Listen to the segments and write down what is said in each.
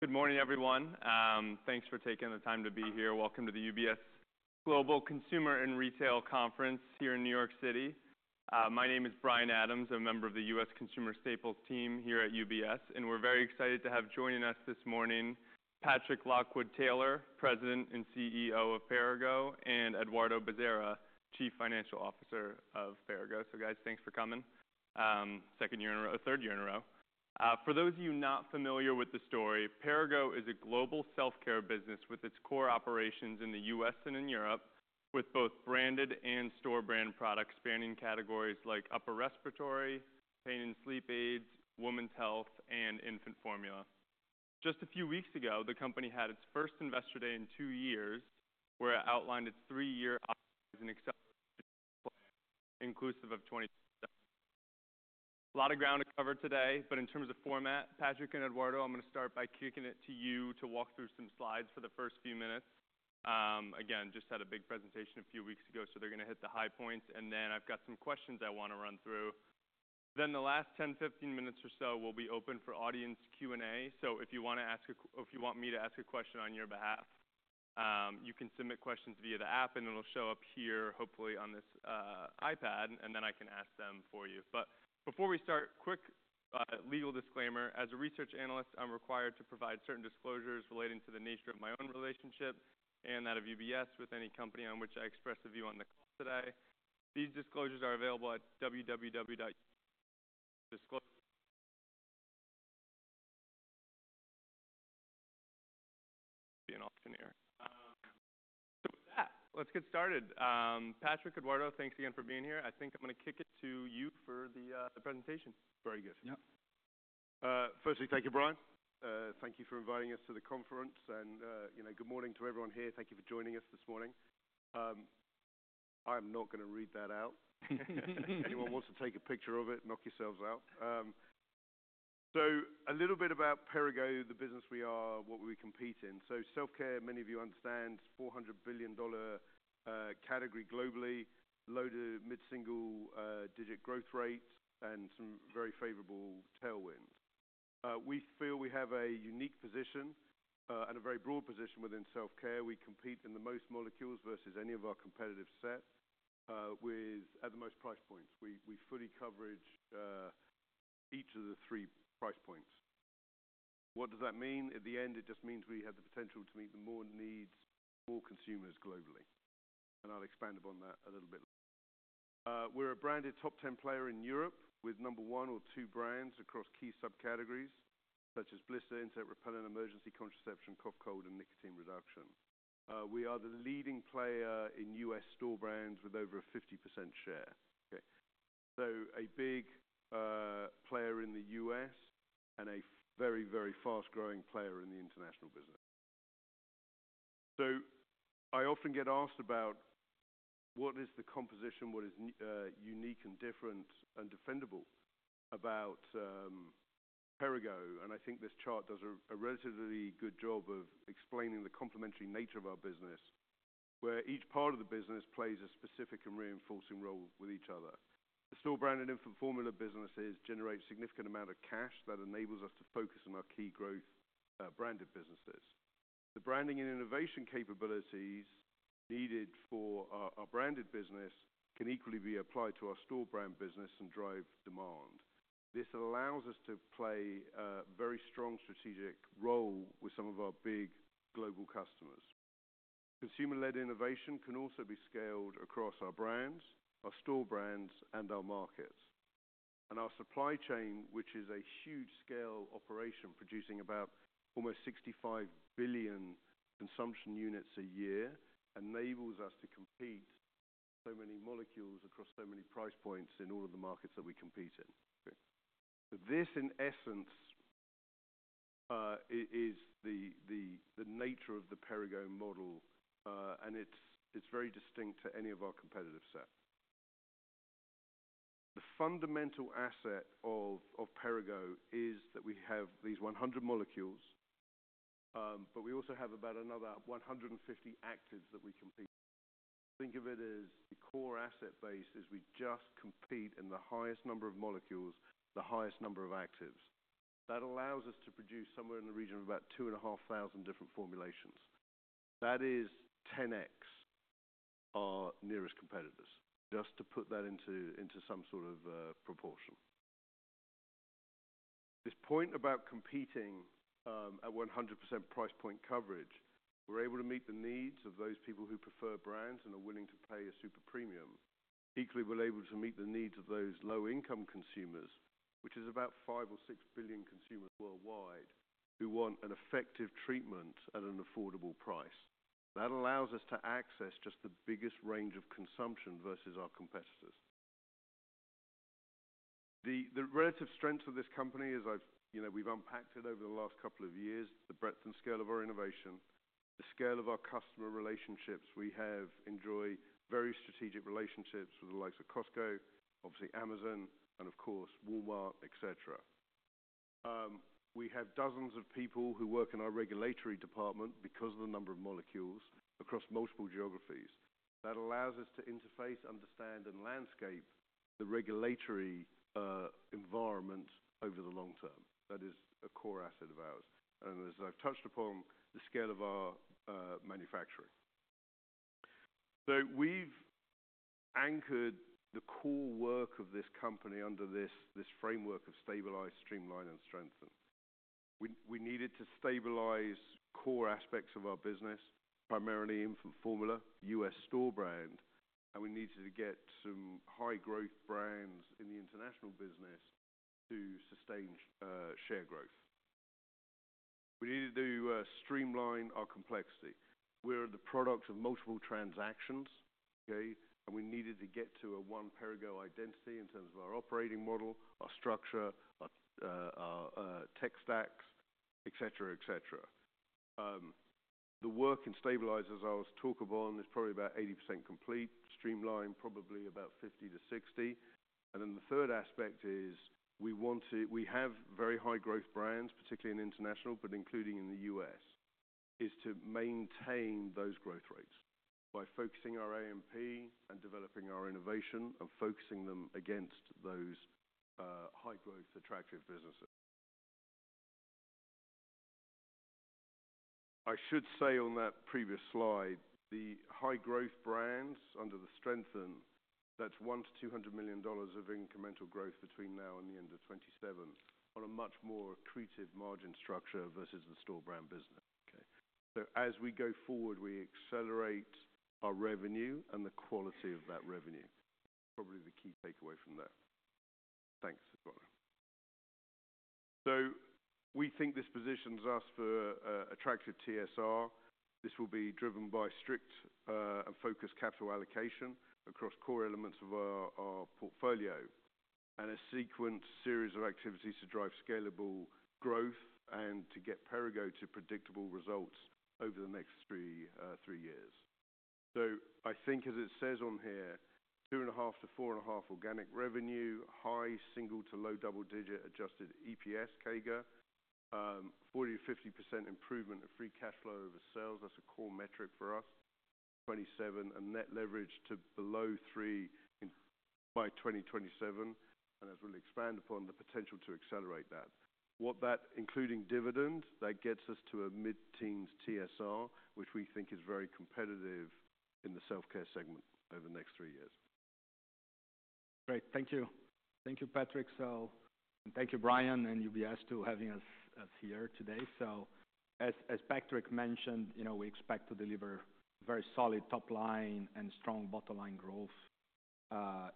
Good morning, everyone. Thanks for taking the time to be here. Welcome to the UBS Global Consumer and Retail Conference here in New York City. My name is Bryan Adams, a member of the U.S. Consumer Staples team here at UBS, and we're very excited to have joining us this morning Patrick Lockwood-Taylor, President and CEO of Perrigo, and Eduardo Bezerra, Chief Financial Officer of Perrigo. Guys, thanks for coming. Second year in a row—third year in a row. For those of you not familiar with the story, Perrigo is a global self-care business with its core operations in the U.S. and in Europe, with both branded and store-brand products spanning categories like upper respiratory, pain and sleep aids, women's health, and infant formula. Just a few weeks ago, the company had its first Investor Day in two years, where it outlined its three-year optimizing acceleration plan, inclusive of 2025. A lot of ground to cover today, but in terms of format, Patrick and Eduardo, I'm gonna start by kicking it to you to walk through some slides for the first few minutes. Again, just had a big presentation a few weeks ago, so they're gonna hit the high points, and then I've got some questions I wanna run through. The last 10-15 minutes or so will be open for audience Q&A, so if you want me to ask a question on your behalf, you can submit questions via the app, and it'll show up here, hopefully on this iPad, and then I can ask them for you. Before we start, quick legal disclaimer. As a research analyst, I'm required to provide certain disclosures relating to the nature of my own relationship and that of UBS with any company on which I express a view on the call today. These disclosures are available at www.ubs.com/analyst. With that, let's get started. Patrick, Eduardo, thanks again for being here. I think I'm gonna kick it to you for the presentation. Very good. Yep. Firstly, thank you, Bryan. Thank you for inviting us to the conference, and, you know, good morning to everyone here. Thank you for joining us this morning. I'm not gonna read that out. Anyone wants to take a picture of it, knock yourselves out. A little bit about Perrigo, the business we are, what we compete in. Self-care, many of you understand, $400 billion category globally, loaded mid-single digit growth rates and some very favorable tailwinds. We feel we have a unique position, and a very broad position within self-care. We compete in the most molecules versus any of our competitive set, with at the most price points. We fully coverage each of the three price points. What does that mean? At the end, it just means we have the potential to meet the more needs, more consumers globally. I'll expand upon that a little bit later. We're a branded top 10 player in Europe with number one or two brands across key subcategories such as blister, insect repellent, emergency contraception, cough, cold, and nicotine reduction. We are the leading player in U.S. store brands with over a 50% share. A big player in the U.S. and a very, very fast-growing player in the international business. I often get asked about what is the composition, what is unique and different and defendable about Perrigo, and I think this chart does a relatively good job of explaining the complementary nature of our business, where each part of the business plays a specific and reinforcing role with each other. The store brand and infant formula businesses generate a significant amount of cash that enables us to focus on our key growth, branded businesses. The branding and innovation capabilities needed for our, our branded business can equally be applied to our store brand business and drive demand. This allows us to play a very strong strategic role with some of our big global customers. Consumer-led innovation can also be scaled across our brands, our store brands, and our markets. Our Supply Chain, which is a huge-scale operation producing about almost 65 billion consumption units a year, enables us to compete so many molecules across so many price points in all of the markets that we compete in. Okay. This, in essence, is the nature of the Perrigo model, and it's very distinct to any of our competitive sets. The fundamental asset of Perrigo is that we have these 100 molecules, but we also have about another 150 actives that we compete. Think of it as the core asset base is we just compete in the highest number of molecules, the highest number of actives. That allows us to produce somewhere in the region of about 2,500 different formulations. That is 10x our nearest competitors, just to put that into, into some sort of proportion. This point about competing, at 100% price point coverage, we're able to meet the needs of those people who prefer brands and are willing to pay a super premium. Equally, we're able to meet the needs of those low-income consumers, which is about five or six billion consumers worldwide who want an effective treatment at an affordable price. That allows us to access just the biggest range of consumption versus our competitors. The relative strengths of this company, as I've, you know, we've unpacked it over the last couple of years, the breadth and scale of our innovation, the scale of our customer relationships. We have enjoyed very strategic relationships with the likes of Costco, obviously Amazon, and of course, Walmart, etc. We have dozens of people who work in our regulatory department because of the number of molecules across multiple geographies. That allows us to interface, understand, and landscape the regulatory environment over the long-term. That is a core asset of ours. As I've touched upon, the scale of our manufacturing. We have anchored the core work of this company under this framework of stabilize, streamline, and strengthen. We needed to stabilize core aspects of our business, primarily infant formula, U.S. store brand, and we needed to get some high-growth brands in the international business to sustain share growth. We needed to streamline our complexity. We are the product of multiple transactions, okay, and we needed to get to a One Perrigo identity in terms of our operating model, our structure, our tech stacks, etc., etc. The work in stabilizers I was talking about is probably about 80% complete, streamlined probably about 50%-60%. The third aspect is we want to—we have very high-growth brands, particularly in international, but including in the U.S.—is to maintain those growth rates by focusing our A&P and developing our innovation and focusing them against those high-growth, attractive businesses. I should say on that previous slide, the high-growth brands under the strengthen, that's $100 million-$200 million of incremental growth between now and the end of 2027 on a much more accretive margin structure versus the store brand business. Okay. As we go forward, we accelerate our revenue and the quality of that revenue. Probably the key takeaway from that. Thanks, Eduardo. We think this positions us for attractive TSR. This will be driven by strict, and focused capital allocation across core elements of our portfolio and a sequential series of activities to drive scalable growth and to get Perrigo to predictable results over the next three years. I think, as it says on here, two and a half to four and a half organic revenue, high single to low double-digit adjusted EPS, CAGR, 40%-50% improvement of free cash flow over sales. That's a core metric for us. 2027 and net leverage to below three in by 2027, and as we'll expand upon the potential to accelerate that. What that, including dividend, that gets us to a mid-teens TSR, which we think is very competitive in the self-care segment over the next three years. Great. Thank you. Thank you, Patrick. Thank you, Bryan, and UBS for having us here today. As Patrick mentioned, you know, we expect to deliver very solid top-line and strong bottom-line growth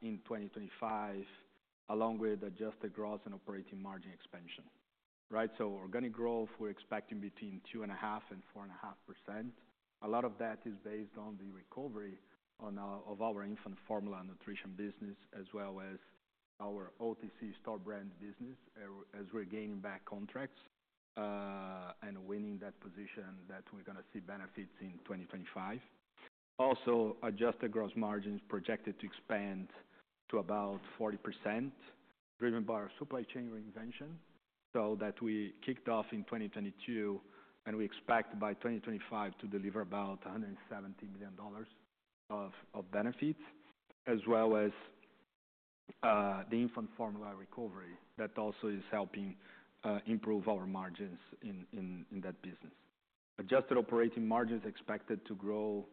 in 2025, along with adjusted gross and operating margin expansion. Right? Organic growth, we're expecting between 2.5% and 4.5%. A lot of that is based on the recovery of our infant formula nutrition business as well as our OTC store brand business, as we're gaining back contracts and winning that position that we're gonna see benefits in 2025. Also, adjusted gross margin is projected to expand to about 40%, driven by our Supply Chain Reinvention. That we kicked off in 2022, and we expect by 2025 to deliver about $170 million of benefits, as well as the infant formula recovery that also is helping improve our margins in that business. Adjusted operating margins expected to grow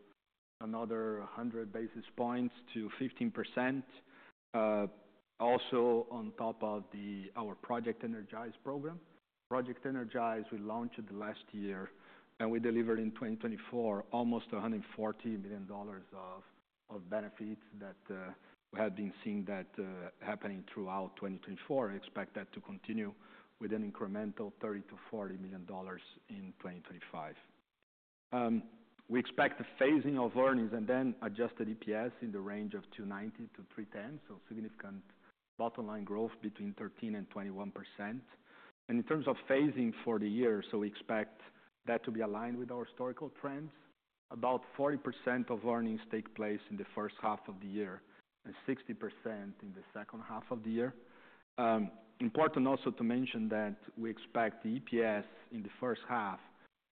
another 100 basis points to 15%, also on top of our Project Energize program. Project Energize we launched last year, and we delivered in 2024 almost $140 million of benefits that we have been seeing happening throughout 2024. We expect that to continue with an incremental $30 million-$40 million in 2025. We expect the phasing of earnings and then adjusted EPS in the range of $2.90-$3.10, so significant bottom-line growth between 13% and 21%. In terms of phasing for the year, we expect that to be aligned with our historical trends. About 40% of earnings take place in the first half of the year and 60% in the second half of the year. Important also to mention that we expect the EPS in the first half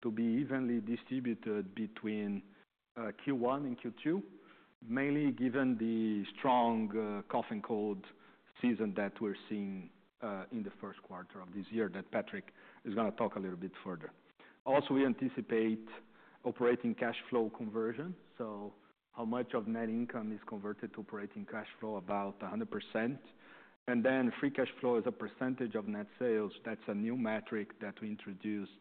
to be evenly distributed between Q1 and Q2, mainly given the strong cough and cold season that we're seeing in the first quarter of this year that Patrick is gonna talk a little bit further. Also, we anticipate operating cash flow conversion, so how much of net income is converted to operating cash flow, about 100%. Free cash flow is a percentage of net sales. That's a new metric that we introduced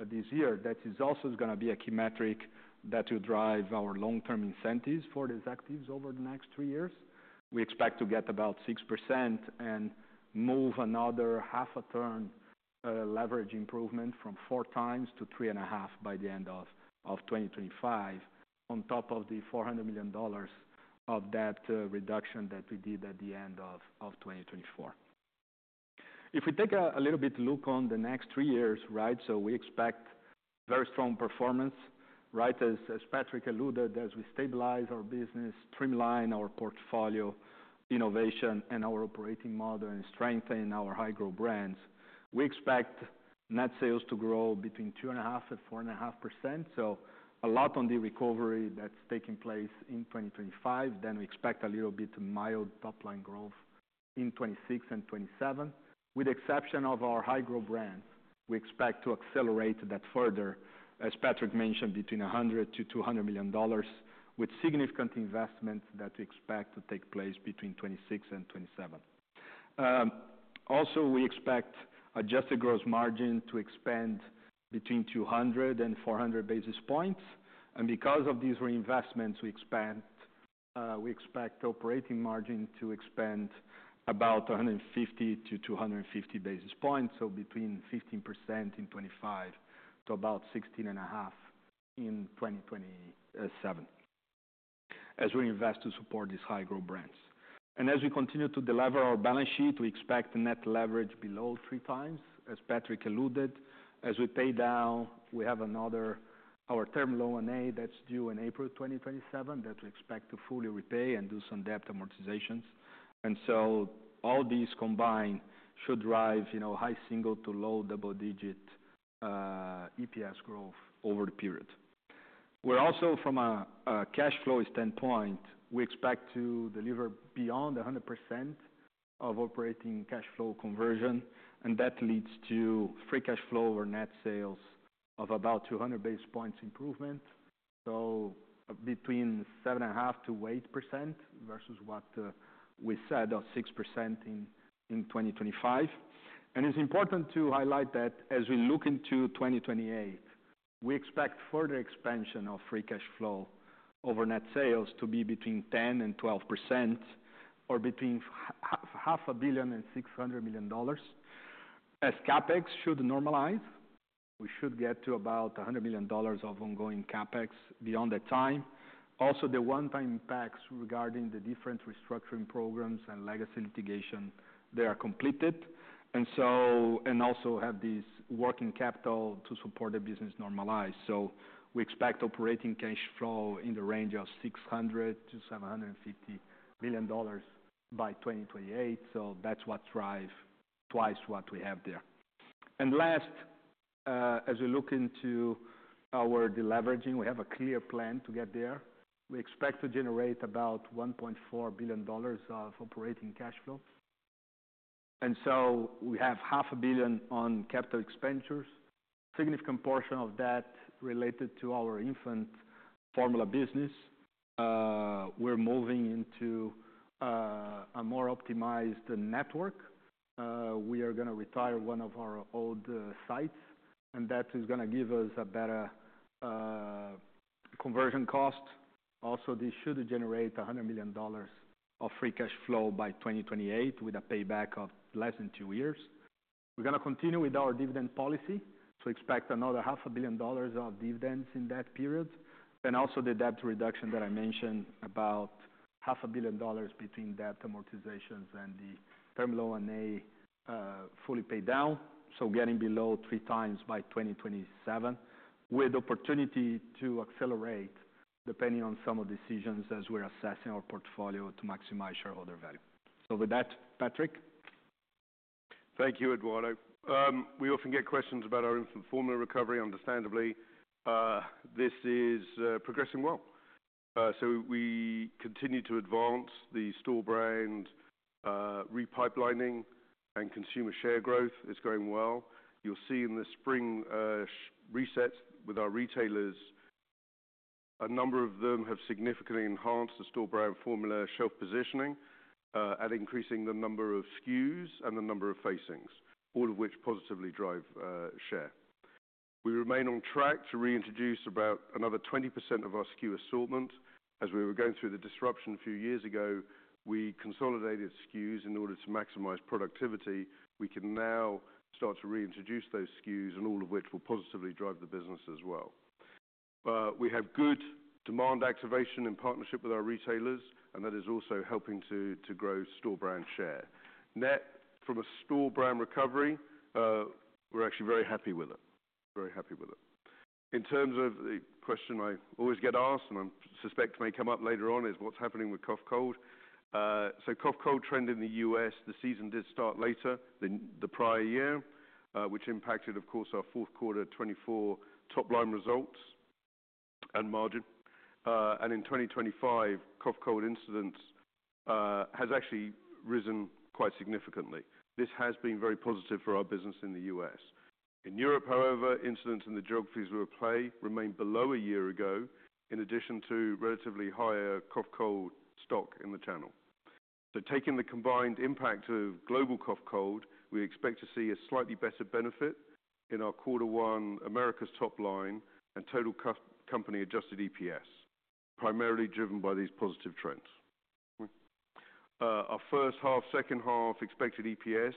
this year that is also gonna be a key metric that will drive our long-term incentives for these actives over the next three years. We expect to get about 6% and move another half a turn, leverage improvement from four times to three and a half by the end of 2025, on top of the $400 million of that reduction that we did at the end of 2024. If we take a little bit look on the next three years, right, we expect very strong performance, right, as Patrick alluded, as we stabilize our business, streamline our portfolio innovation and our operating model and strengthen our high-growth brands. We expect net sales to grow between 2.5%-4.5%, so a lot on the recovery that's taking place in 2025. We expect a little bit mild top-line growth in 2026 and 2027. With the exception of our high-growth brands, we expect to accelerate that further, as Patrick mentioned, between $100 million and $200 million, with significant investments that we expect to take place between 2026 and 2027. Also, we expect adjusted gross margin to expand between 200 and 400 basis points. Because of these reinvestments, we expect operating margin to expand about 150-250 basis points, so between 15% in 2025 to about 16.5% in 2027, as we invest to support these high-growth brands. As we continue to deliver our balance sheet, we expect net leverage below three times, as Patrick alluded. As we pay down, we have another Term Loan A that is due in April 2027 that we expect to fully repay and do some debt amortizations. All these combined should drive, you know, high single to low double-digit EPS growth over the period. We're also, from a cash flow standpoint, we expect to deliver beyond 100% of operating cash flow conversion, and that leads to free cash flow over net sales of about 200 basis points improvement, so between 7.5%-8% versus what we said of 6% in 2025. It's important to highlight that as we look into 2028, we expect further expansion of free cash flow over net sales to be between 10%-12% or between $500 billion and $600 million. As CapEx should normalize, we should get to about $100 million of ongoing CapEx beyond that time. Also, the one-time impacts regarding the different restructuring programs and legacy litigation, they are completed. Also have this working capital to support the business normalize. We expect operating cash flow in the range of $600 million-$750 million by 2028. That is what drives twice what we have there. Last, as we look into our deleveraging, we have a clear plan to get there. We expect to generate about $1.4 billion of operating cash flow. We have $500 million on capital expenditures, a significant portion of that related to our infant formula business. We are moving into a more optimized network. We are gonna retire one of our old sites, and that is gonna give us a better conversion cost. Also, this should generate $100 million of free cash flow by 2028 with a payback of less than two years. We are gonna continue with our dividend policy. Expect another $500 million of dividends in that period. Also, the debt reduction that I mentioned, about $500 million between debt amortizations and the Term Loan A, fully paid down. Getting below three times by 2027 with opportunity to accelerate depending on some of the decisions as we are assessing our portfolio to maximize shareholder value. With that, Patrick. Thank you, Eduardo. We often get questions about our infant formula recovery, understandably. This is progressing well. We continue to advance the store brand, repipelining and consumer share growth. It's going well. You'll see in the spring, resets with our retailers, a number of them have significantly enhanced the store brand formula shelf positioning, and increasing the number of SKUs and the number of facings, all of which positively drive share. We remain on track to reintroduce about another 20% of our SKU assortment. As we were going through the disruption a few years ago, we consolidated SKUs in order to maximize productivity. We can now start to reintroduce those SKUs, and all of which will positively drive the business as well. We have good demand activation in partnership with our retailers, and that is also helping to grow store brand share. Net, from a store brand recovery, we're actually very happy with it, very happy with it. In terms of the question I always get asked, and I suspect may come up later on, is what's happening with Cough Cold? Cough Cold trend in the U.S., the season did start later than the prior year, which impacted, of course, our fourth quarter 2024 top-line results and margin. In 2025, Cough Cold incidence has actually risen quite significantly. This has been very positive for our business in the U.S. In Europe, however, incidence in the geographies we were playing remain below a year ago, in addition to relatively higher Cough Cold stock in the channel. Taking the combined impact of global Cough Cold, we expect to see a slightly better benefit in our quarter one Americas top line and total company adjusted EPS, primarily driven by these positive trends. Our first half, second half expected EPS,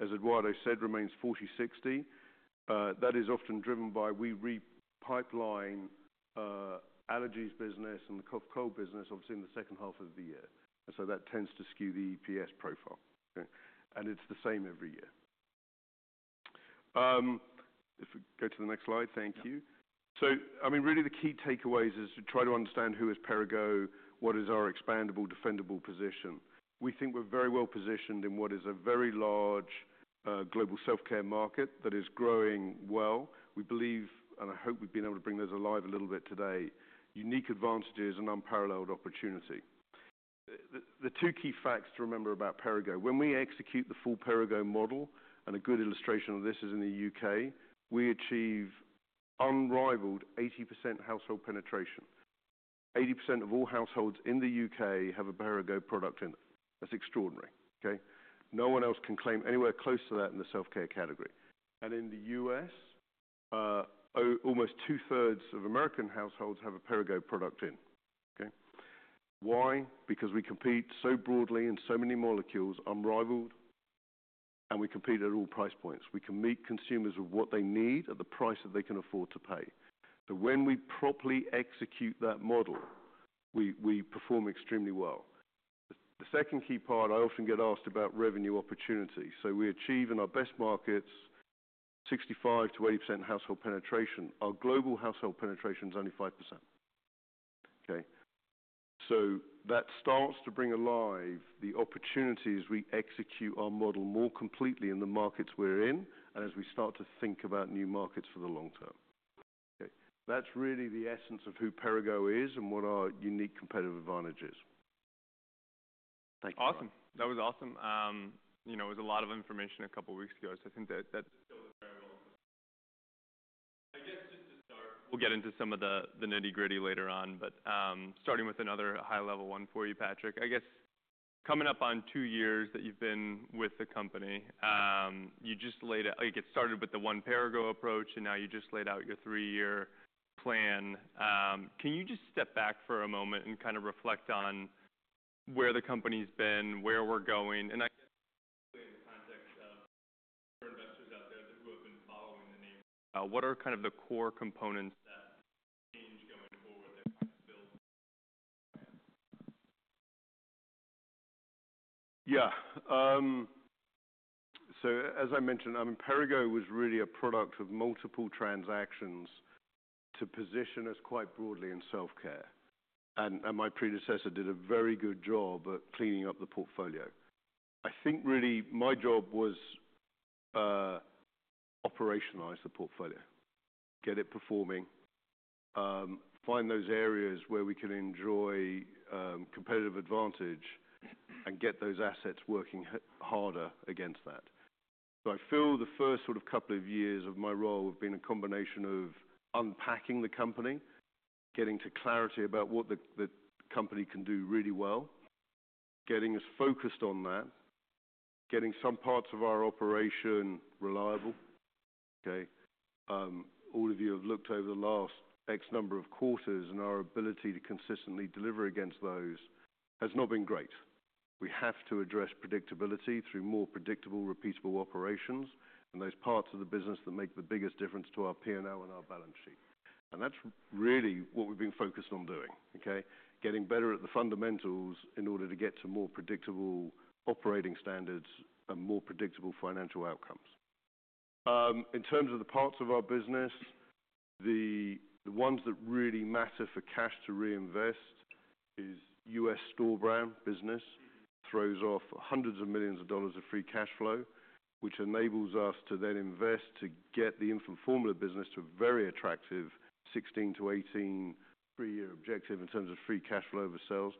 as Eduardo said, remains 40/60. That is often driven by we repipeline, allergies business and the Cough Cold business, obviously, in the second half of the year. That tends to skew the EPS profile. Okay. It is the same every year. If we go to the next slide, thank you. I mean, really the key takeaways is to try to understand who is Perrigo, what is our expandable, defendable position. We think we're very well positioned in what is a very large, global self-care market that is growing well. We believe, and I hope we've been able to bring those alive a little bit today, unique advantages and unparalleled opportunity. The two key facts to remember about Perrigo, when we execute the full Perrigo model, and a good illustration of this is in the U.K., we achieve unrivaled 80% household penetration. 80% of all households in the U.K. have a Perrigo product in. That's extraordinary. Okay? No one else can claim anywhere close to that in the self-care category. In the U.S., almost two-thirds of American households have a Perrigo product in. Okay? Why? Because we compete so broadly in so many molecules, unrivaled, and we compete at all price points. We can meet consumers with what they need at the price that they can afford to pay. When we properly execute that model, we perform extremely well. The second key part, I often get asked about revenue opportunity. We achieve in our best markets 65%-80% household penetration. Our global household penetration is only 5%. Okay? That starts to bring alive the opportunities we execute our model more completely in the markets we're in and as we start to think about new markets for the long-term. Okay? That's really the essence of who Perrigo is and what our unique competitive advantage is. Thank you. Awesome. That was awesome. You know, it was a lot of information a couple of weeks ago, so I think that, that. Still very well. I guess just to start. We'll get into some of the nitty-gritty later on, but starting with another high-level one for you, Patrick, I guess coming up on two years that you've been with the company, you just laid out, like, it started with the One Perrigo approach, and now you just laid out your three-year plan. Can you just step back for a moment and kind of reflect on where the company's been, where we're going, and I guess really in the context of for investors out there that who have been following the name, what are kind of the core components that change going forward that kind of builds the brand? Yeah. As I mentioned, I mean, Perrigo was really a product of multiple transactions to position us quite broadly in self-care. My predecessor did a very good job at cleaning up the portfolio. I think really my job was to operationalize the portfolio, get it performing, find those areas where we can enjoy competitive advantage and get those assets working harder against that. I feel the first sort of couple of years of my role have been a combination of unpacking the company, getting to clarity about what the company can do really well, getting us focused on that, getting some parts of our operation reliable. All of you have looked over the last X number of quarters, and our ability to consistently deliver against those has not been great. We have to address predictability through more predictable, repeatable operations and those parts of the business that make the biggest difference to our P&L and our balance sheet. That is really what we have been focused on doing. Okay? Getting better at the fundamentals in order to get to more predictable operating standards and more predictable financial outcomes. In terms of the parts of our business, the ones that really matter for cash to reinvest is U.S. store brand business throws off hundreds of millions of dollars of free cash flow, which enables us to then invest to get the infant formula business to a very attractive 16%-18% three-year objective in terms of free cash flow over sales.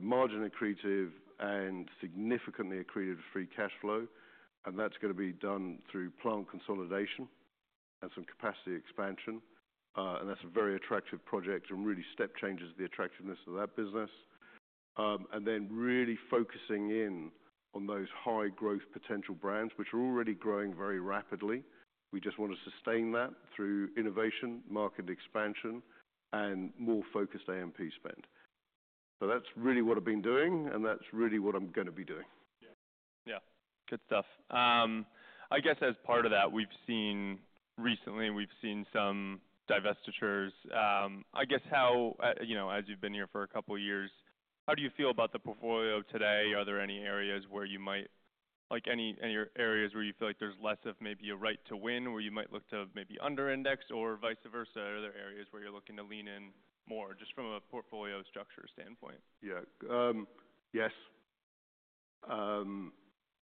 Margin accretive and significantly accretive free cash flow. That is going to be done through plant consolidation and some capacity expansion. and that's a very attractive project and really step changes the attractiveness of that business. Then really focusing in on those high-growth potential brands, which are already growing very rapidly. We just wanna sustain that through innovation, market expansion, and more focused A&P spend. That's really what I've been doing, and that's really what I'm gonna be doing. Yeah. Yeah. Good stuff. I guess as part of that, we've seen recently, we've seen some divestitures. I guess how, you know, as you've been here for a couple of years, how do you feel about the portfolio today? Are there any areas where you might, like, any, any areas where you feel like there's less of maybe a right to win where you might look to maybe under-index or vice versa? Are there areas where you're looking to lean in more just from a portfolio structure standpoint? Yeah. Yes.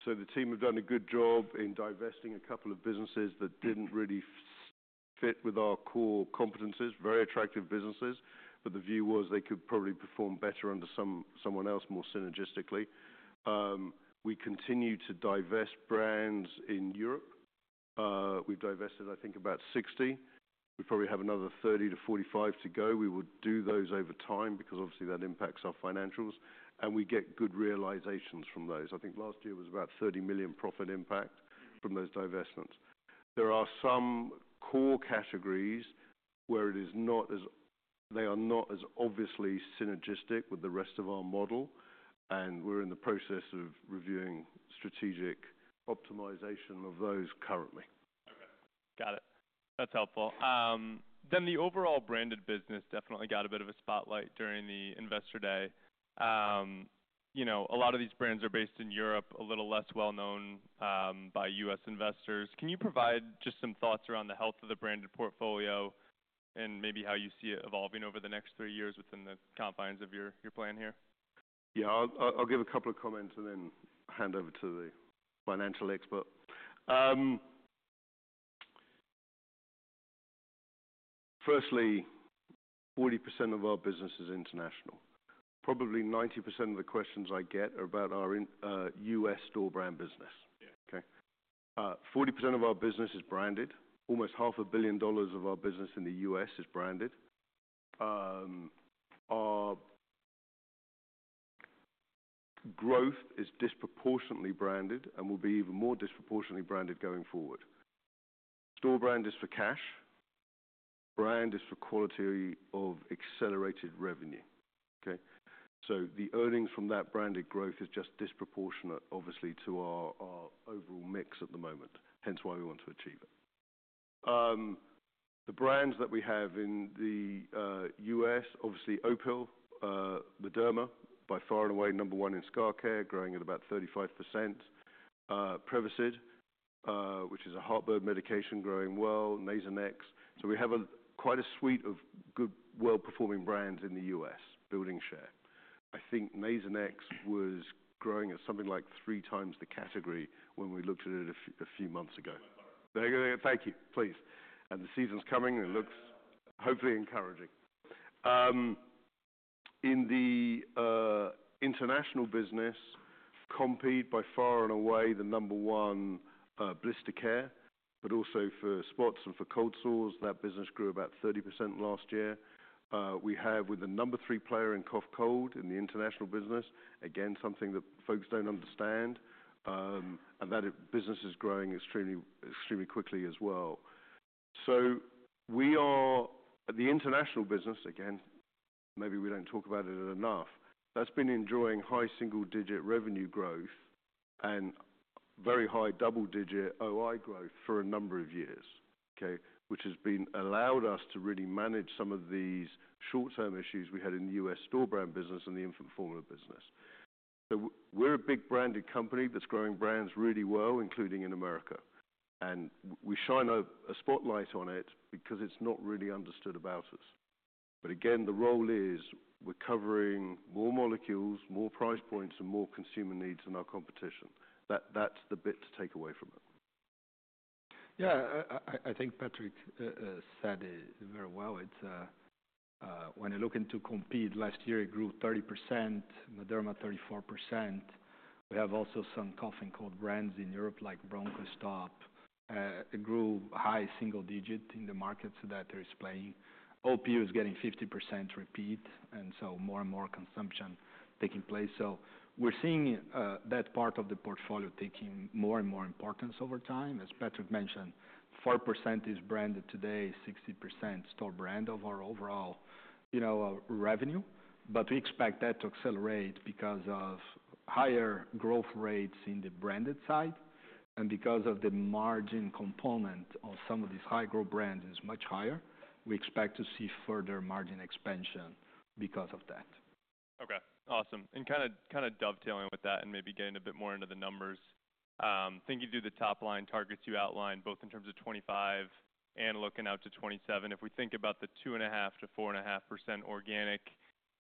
The team have done a good job in divesting a couple of businesses that did not really fit with our core competencies, very attractive businesses, but the view was they could probably perform better under someone else more synergistically. We continue to divest brands in Europe. We have divested, I think, about 60. We probably have another 30-45 to go. We would do those over time because obviously that impacts our financials. We get good realizations from those. I think last year was about $30 million profit impact from those divestments. There are some core categories where it is not as they are not as obviously synergistic with the rest of our model, and we are in the process of reviewing strategic optimization of those currently. Okay. Got it. That's helpful. Then the overall branded business definitely got a bit of a spotlight during the investor day. You know, a lot of these brands are based in Europe, a little less well-known by U.S. investors. Can you provide just some thoughts around the health of the branded portfolio and maybe how you see it evolving over the next three years within the confines of your plan here? Yeah. I'll give a couple of comments and then hand over to the financial expert. Firstly, 40% of our business is international. Probably 90% of the questions I get are about our U.S. store brand business. Yeah. Okay? 40% of our business is branded. Almost half a billion dollars of our business in the U.S. is branded. Our growth is disproportionately branded and will be even more disproportionately branded going forward. Store brand is for cash. Brand is for quality of accelerated revenue. Okay? The earnings from that branded growth is just disproportionate, obviously, to our overall mix at the moment, hence why we want to achieve it. The brands that we have in the U.S., obviously Opill, Mederma, by far and away number one in scar care, growing at about 35%. Prevacid, which is a heartburn medication, growing well. Nasonex. We have quite a suite of good, well-performing brands in the U.S. building share. I think Nasonex was growing at something like three times the category when we looked at it a few months ago. My button. Thank you. Please. The season's coming. It looks hopefully encouraging. In the international business, Compeed by far and away the number one blister care, but also for spots and for cold sores. That business grew about 30% last year. We are the number three player in cough cold in the international business, again, something that folks don't understand, and that business is growing extremely, extremely quickly as well. The international business, again, maybe we don't talk about it enough, has been enjoying high single-digit revenue growth and very high double-digit OI growth for a number of years. Okay? Which has allowed us to really manage some of these short-term issues we had in the U.S. store brand business and the infant formula business. We are a big branded company that's growing brands really well, including in America. We shine a spotlight on it because it's not really understood about us. Again, the role is we're covering more molecules, more price points, and more consumer needs than our competition. That's the bit to take away from it. Yeah. I think Patrick said it very well. It's, when you look into Compeed, last year it grew 30%, Mederma 34%. We have also some cough and cold brands in Europe like Bronchostop. It grew high single-digit in the markets that are explaining. Opill is getting 50% repeat, and more and more consumption taking place. We're seeing that part of the portfolio taking more and more importance over time. As Patrick mentioned, 40% is branded today, 60% store brand of our overall, you know, revenue. We expect that to accelerate because of higher growth rates in the branded side and because the margin component of some of these high-growth brands is much higher. We expect to see further margin expansion because of that. Okay. Awesome. Kind of dovetailing with that and maybe getting a bit more into the numbers, thinking through the top-line targets you outlined both in terms of 2025 and looking out to 2027, if we think about the 2.5%-4.5% organic,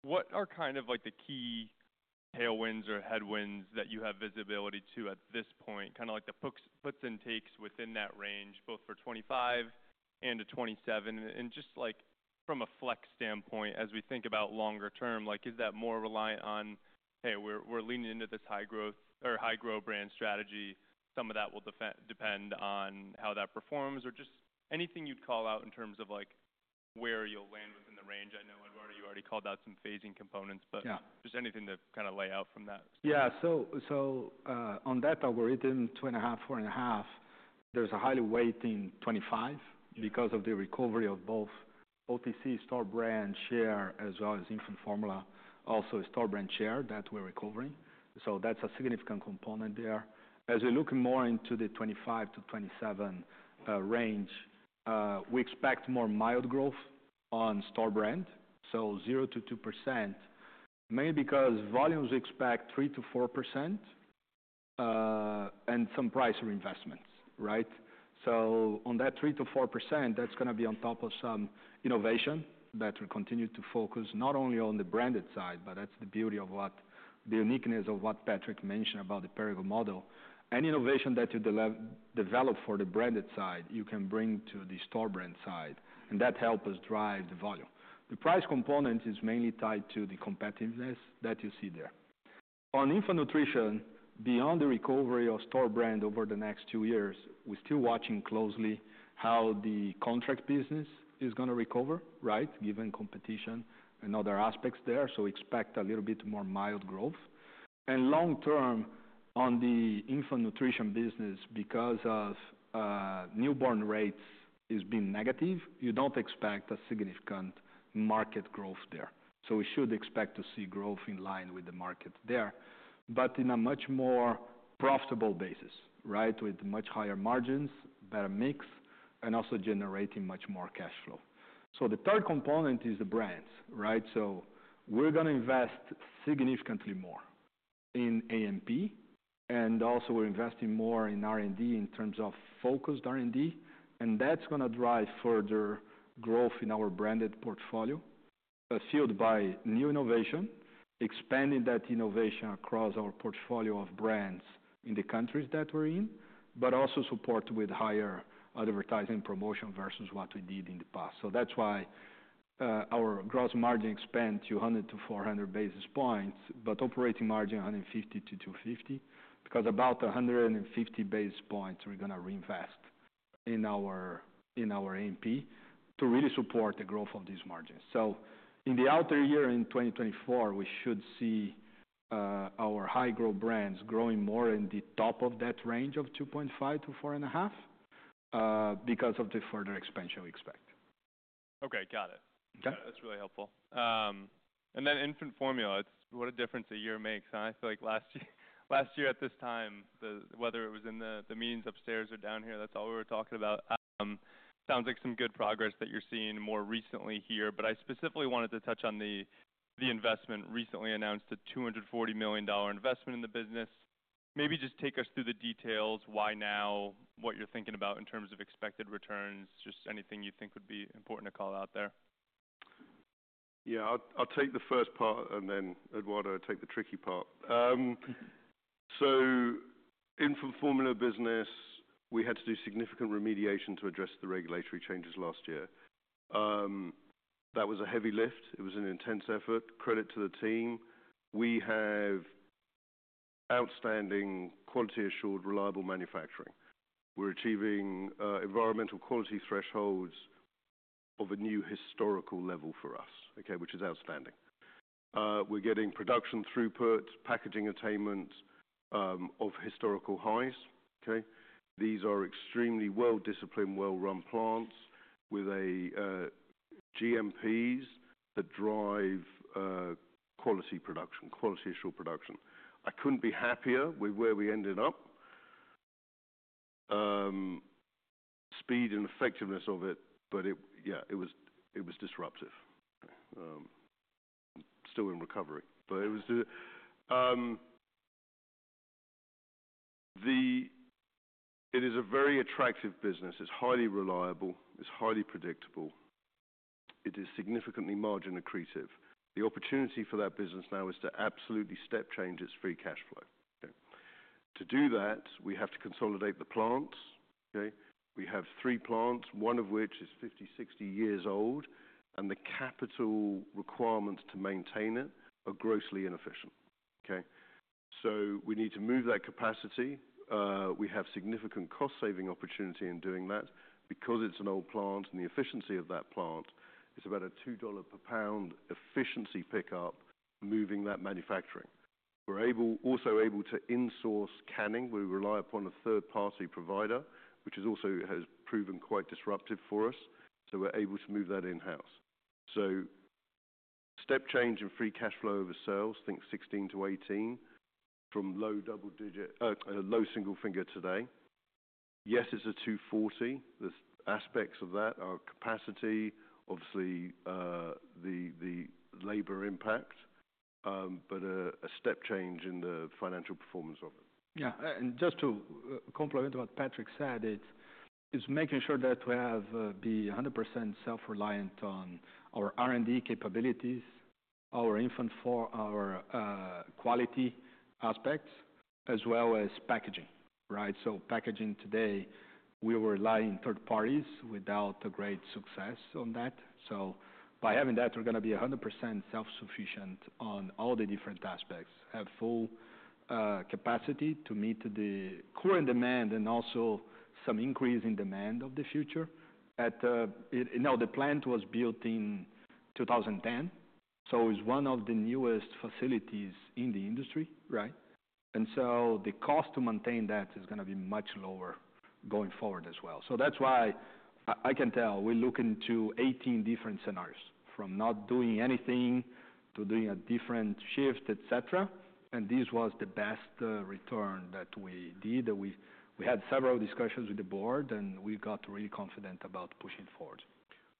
what are kind of like the key tailwinds or headwinds that you have visibility to at this point? Kind of like the puts and takes within that range both for 2025 and to 2027. Just like from a flex standpoint, as we think about longer-term, is that more reliant on, "Hey, we're leaning into this high-growth or high-grow brand strategy"? Some of that will depend on how that performs or just anything you'd call out in terms of where you'll land within the range. I know, Eduardo, you already called out some phasing components, but. Yeah. Just anything to kind of lay out from that standpoint. Yeah. So, on that algorithm, 2.5%-4.5%, there's a highly weighting 25 because of the recovery of both OTC store brand share as well as infant formula, also store brand share that we're recovering. That's a significant component there. As we're looking more into the 25-27 range, we expect more mild growth on store brand, so 0%-2%, mainly because volumes we expect 3%-4%, and some price reinvestments. Right? On that 3%-4%, that's gonna be on top of some innovation that will continue to focus not only on the branded side, but that's the beauty of what the uniqueness of what Patrick mentioned about the Perrigo model. Any innovation that you develop for the branded side, you can bring to the store brand side, and that helps us drive the volume. The price component is mainly tied to the competitiveness that you see there. On infant nutrition, beyond the recovery of store brand over the next two years, we're still watching closely how the contract business is gonna recover, right, given competition and other aspects there. We expect a little bit more mild growth. Long-term, on the infant nutrition business, because newborn rates have been negative, you don't expect a significant market growth there. We should expect to see growth in line with the market there, but on a much more profitable basis, right, with much higher margins, better mix, and also generating much more cash flow. The third component is the brands, right? We're gonna invest significantly more in A&P, and also we're investing more in R&D in terms of focused R&D. That is gonna drive further growth in our branded portfolio, fueled by new innovation, expanding that innovation across our portfolio of brands in the countries that we are in, but also support with higher advertising promotion versus what we did in the past. That is why our gross margin expands to 100-400 basis points, but operating margin 150-250 because about 150 basis points we are gonna reinvest in our A&P to really support the growth of these margins. In the outer year in 2024, we should see our high-growth brands growing more in the top of that range of 2.5%-4.5%, because of the further expansion we expect. Okay. Got it. Okay. That's really helpful. And then infant formula, it's what a difference a year makes. I feel like last year, last year at this time, whether it was in the meetings upstairs or down here, that's all we were talking about. Sounds like some good progress that you're seeing more recently here. I specifically wanted to touch on the investment recently announced, a $240 million investment in the business. Maybe just take us through the details, why now, what you're thinking about in terms of expected returns, just anything you think would be important to call out there. Yeah. I'll take the first part and then, Eduardo, take the tricky part. Infant formula business, we had to do significant remediation to address the regulatory changes last year. That was a heavy lift. It was an intense effort. Credit to the team. We have outstanding quality-assured, reliable manufacturing. We're achieving environmental quality thresholds of a new historical level for us, which is outstanding. We're getting production throughput, packaging attainment, of historical highs. These are extremely well-disciplined, well-run plants with GMPs that drive quality production, quality-assured production. I couldn't be happier with where we ended up, speed and effectiveness of it, but it was disruptive. Still in recovery, but it is a very attractive business. It's highly reliable. It's highly predictable. It is significantly margin accretive. The opportunity for that business now is to absolutely step change its free cash flow. Okay? To do that, we have to consolidate the plants. Okay? We have three plants, one of which is 50-60 years old, and the capital requirements to maintain it are grossly inefficient. Okay? We need to move that capacity. We have significant cost-saving opportunity in doing that because it's an old plant and the efficiency of that plant is about a $2 per pound efficiency pickup moving that manufacturing. We're also able to insource canning. We rely upon a third-party provider, which also has proven quite disruptive for us. We're able to move that in-house. Step change in free cash flow oversells, think 16-18 from low double-digit, low single figure today. Yes, it's a 240. There's aspects of that, our capacity, obviously, the labor impact, but a step change in the financial performance of it. Yeah. And just to complement what Patrick said, it's making sure that we have, be 100% self-reliant on our R&D capabilities, our infant formula, our quality aspects, as well as packaging. Right? Packaging today, we were relying on third parties without a great success on that. By having that, we're gonna be 100% self-sufficient on all the different aspects, have full capacity to meet the current demand and also some increase in demand of the future. The plant was built in 2010, so it's one of the newest facilities in the industry, right? The cost to maintain that is gonna be much lower going forward as well. That's why I can tell we're looking to 18 different scenarios from not doing anything to doing a different shift, etc. This was the best return that we did. We had several discussions with the board, and we got really confident about pushing forward.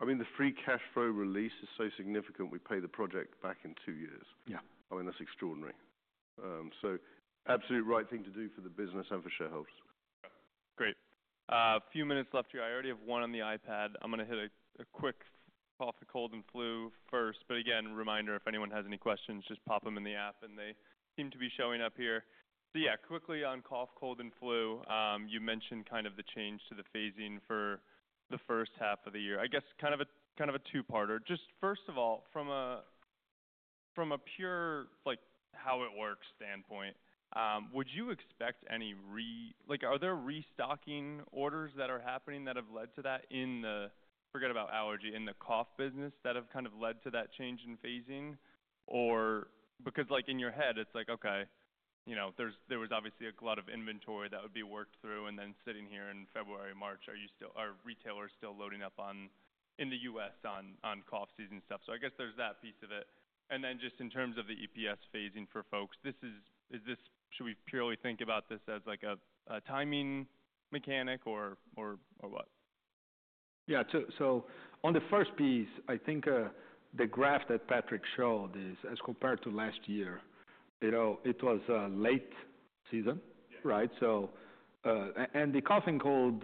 I mean, the free cash flow release is so significant, we pay the project back in two years. Yeah. I mean, that's extraordinary. Absolutely right thing to do for the business and for shareholders. Great. Few minutes left here. I already have one on the iPad. I'm gonna hit a quick cough, cold, and flu first. Again, reminder, if anyone has any questions, just pop them in the app, and they seem to be showing up here. Yeah, quickly on cough, cold, and flu, you mentioned kind of the change to the phasing for the first half of the year. I guess kind of a two-parter. Just first of all, from a pure, like, how-it-works standpoint, would you expect any re like, are there restocking orders that are happening that have led to that in the, forget about allergy, in the cough business that have kind of led to that change in phasing? Because, like, in your head, it's like, okay, you know, there was obviously a lot of inventory that would be worked through. Then sitting here in February, March, are retailers still loading up in the U.S. on cough season stuff? I guess there's that piece of it. Just in terms of the EPS phasing for folks, is this, should we purely think about this as like a timing mechanic or what? Yeah. On the first piece, I think the graph that Patrick showed is, as compared to last year, you know, it was a late season. Yeah. Right? And the cough and cold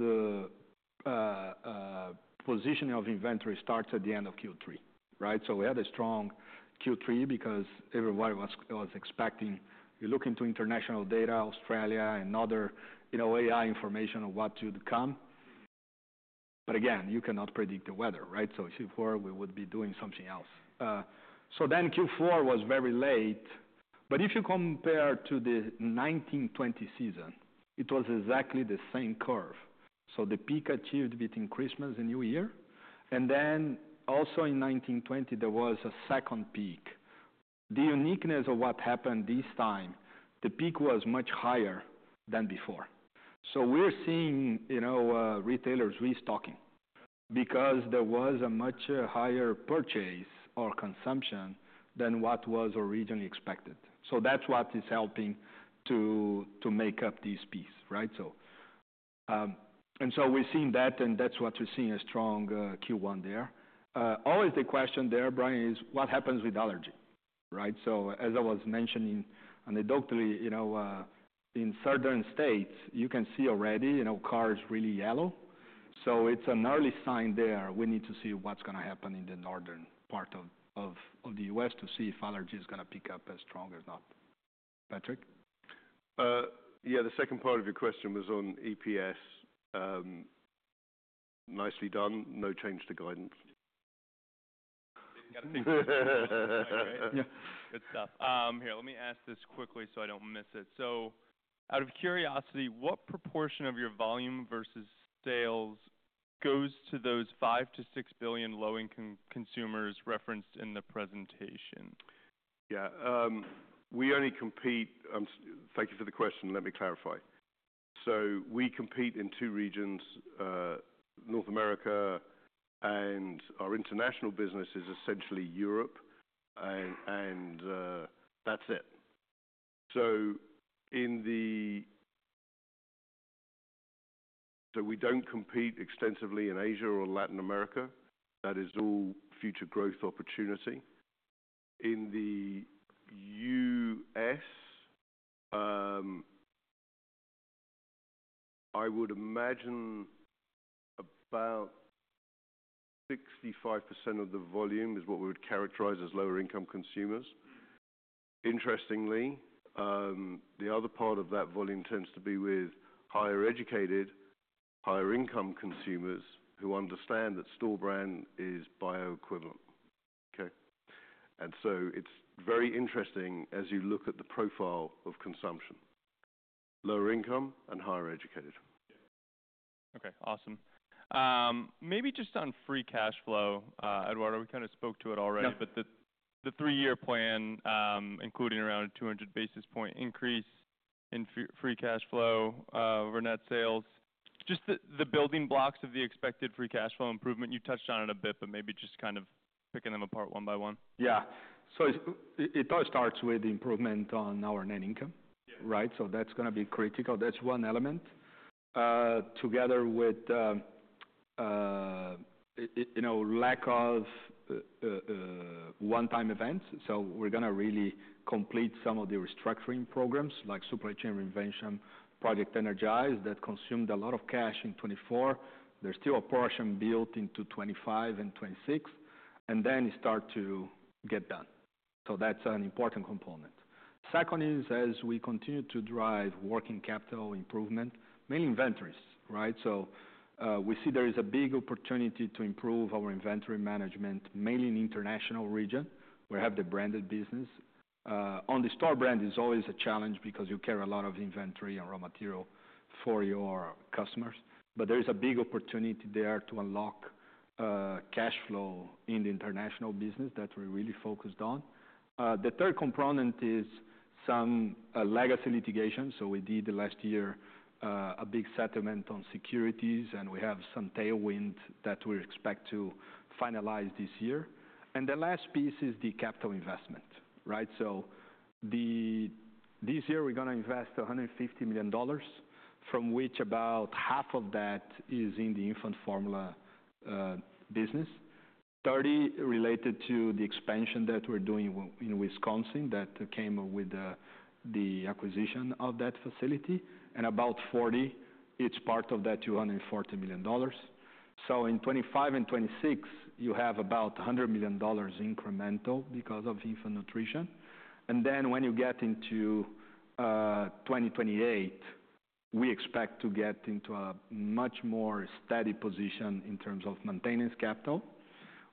positioning of inventory starts at the end of Q3, right? We had a strong Q3 because everybody was expecting, you're looking to international data, Australia, and other, you know, AI information on what to come. Again, you cannot predict the weather, right? If it were, we would be doing something else. Q4 was very late. If you compare to the 2019-2020 season, it was exactly the same curve. The peak achieved between Christmas and New Year. Also in 2019-2020, there was a second peak. The uniqueness of what happened this time, the peak was much higher than before. We're seeing, you know, retailers restocking because there was a much higher purchase or consumption than what was originally expected. That's what is helping to make up this piece, right? We have seen that, and that is what we are seeing, a strong Q1 there. Always the question there, Bryan, is what happens with allergy, right? As I was mentioning anecdotally, you know, in certain states, you can see already, you know, cars really yellow. It is an early sign there. We need to see what is going to happen in the northern part of the U.S. to see if allergy is going to pick up as strong or not. Patrick? Yeah, the second part of your question was on EPS. Nicely done. No change to guidance. Good stuff. Here, let me ask this quickly so I don't miss it. Out of curiosity, what proportion of your volume versus sales goes to those 5-6 billion low-income consumers referenced in the presentation? Yeah. We only compete, thank you for the question. Let me clarify. We compete in two regions, North America, and our international business is essentially Europe. That is it. We do not compete extensively in Asia or Latin America. That is all future growth opportunity. In the U.S., I would imagine about 65% of the volume is what we would characterize as lower-income consumers. Interestingly, the other part of that volume tends to be with higher educated, higher-income consumers who understand that store brand is bioequivalent. Okay? It is very interesting as you look at the profile of consumption, lower income and higher educated. Okay. Awesome. Maybe just on free cash flow, Eduardo, we kind of spoke to it already. Yeah. The three-year plan, including around a 200 basis point increase in free cash flow over net sales, just the building blocks of the expected free cash flow improvement, you touched on it a bit, but maybe just kind of picking them apart one by one. Yeah. It all starts with the improvement on our net income. Yeah. Right? So that's gonna be critical. That's one element, together with, you know, lack of one-time events. We're gonna really complete some of the restructuring programs like Supply Chain Reinvention, Project Energize that consumed a lot of cash in 2024. There's still a portion built into 2025 and 2026, and then it starts to get done. That's an important component. Second is, as we continue to drive working capital improvement, mainly inventories, right? We see there is a big opportunity to improve our inventory management, mainly in the international region where we have the branded business. On the store brand, it's always a challenge because you carry a lot of inventory and raw material for your customers. There is a big opportunity there to unlock cash flow in the international business that we're really focused on. The third component is some legacy litigation. Last year, we did a big settlement on securities, and we have some tailwind that we expect to finalize this year. The last piece is the capital investment, right? This year, we're gonna invest $150 million, from which about half of that is in the infant formula business, $30 million related to the expansion that we're doing in Wisconsin that came with the acquisition of that facility, and about $40 million is part of that $240 million. In 2025 and 2026, you have about $100 million incremental because of infant nutrition. When you get into 2028, we expect to get into a much more steady position in terms of maintenance capital.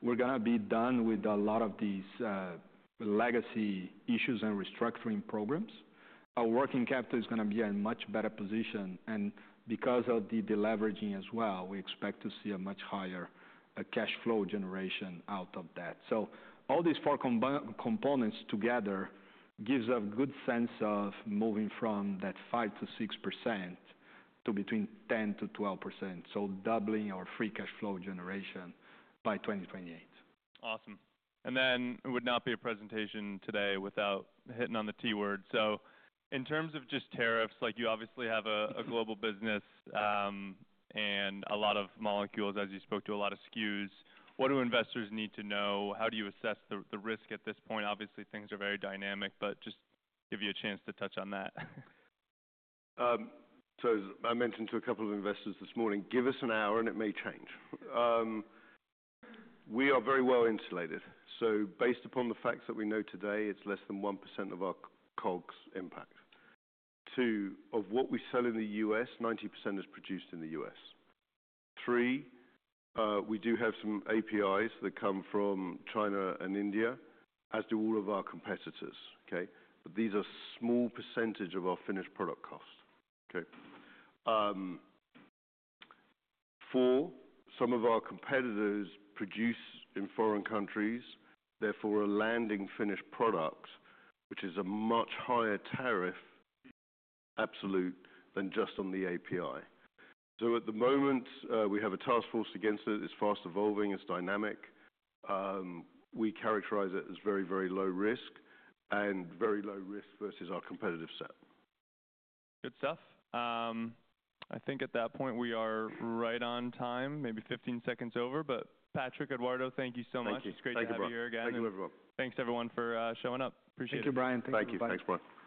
We're gonna be done with a lot of these legacy issues and restructuring programs. Our working capital is gonna be in a much better position. Because of the leveraging as well, we expect to see a much higher cash flow generation out of that. All these four combined components together give a good sense of moving from that 5%-6% to between 10%-12%, doubling our free cash flow generation by 2028. Awesome. It would not be a presentation today without hitting on the T word. In terms of just tariffs, you obviously have a global business, and a lot of molecules, as you spoke to, a lot of SKUs. What do investors need to know? How do you assess the risk at this point? Obviously, things are very dynamic, but just give you a chance to touch on that. As I mentioned to a couple of investors this morning, give us an hour and it may change. We are very well insulated. Based upon the facts that we know today, it's less than 1% of our COGS impact. Two, of what we sell in the U.S., 90% is produced in the U.S. Three, we do have some APIs that come from China and India, as do all of our competitors. Okay? But these are small percentages of our finished product cost. Okay? Four, some of our competitors produce in foreign countries, therefore landing finished product, which is a much higher tariff absolute than just on the API. At the moment, we have a task force against it. It's fast evolving. It's dynamic. We characterize it as very, very low risk and very low risk versus our competitive set. Good stuff. I think at that point, we are right on time, maybe 15 seconds over. But Patrick, Eduardo, thank you so much. Thank you. Thank you. It's great to have you here again. Thank you, everyone. Thanks, everyone, for showing up. Appreciate it. Thank you, Bryan. Thank you. Thanks, Bryan.